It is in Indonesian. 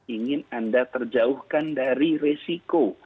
ingin anda terjauhkan dari resiko